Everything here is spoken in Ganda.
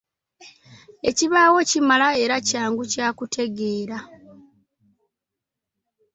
Ekibaawo kimala era kyangu kya kutegeera.